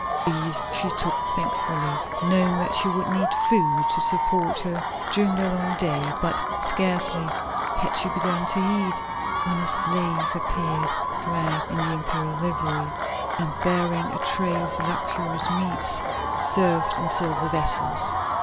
These she took thankfully, knowing that she would need food to support her during the long day, but scarcely had she begun to eat when a slave appeared clad in the imperial livery, and bearing a tray of luxurious meats served in silver vessels.